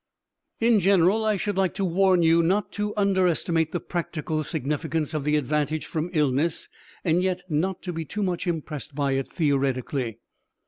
In general I should like to warn you not to underestimate the practical significance of the advantage from illness and yet not to be too much impressed by it theoretically.